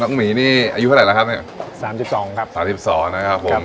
หมีนี่อายุเท่าไหร่แล้วครับเนี้ยสามสิบสองครับสามสิบสองนะครับผม